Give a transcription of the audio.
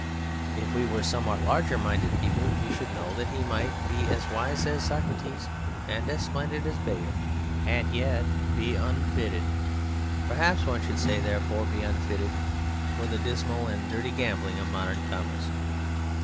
If we were somewhat larger minded people, we should know that he might be as wise as Socrates and as splendid as Bayard and yet be unfitted, perhaps one should say therefore be unfitted, for the dismal and dirty gambling of modern commerce.